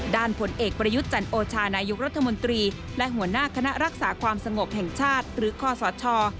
ผลเอกประยุทธ์จันโอชานายกรัฐมนตรีและหัวหน้าคณะรักษาความสงบแห่งชาติหรือคอสช